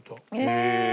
へえ。